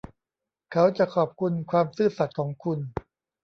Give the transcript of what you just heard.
เขาจะขอบคุณความซื่อสัตย์ของคุณ